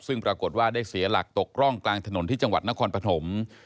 ซึ่งปรากฏว่าได้เสียหลักตกร่องกลางถนนที่จังหวัดนครปฐม